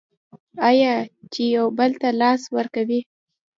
آیا چې یو بل ته لاس ورکوي؟